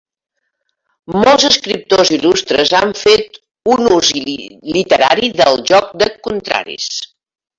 Molts escriptors il·lustres han fet un ús literari del joc de contraris.